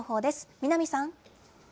南さん。